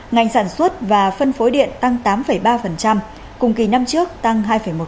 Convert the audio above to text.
ngành sản xuất và phân phối điện tăng tám ba cùng kỳ năm trước tăng hai một